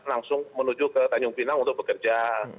langsung menuju ke tanjung pinang untuk bekerja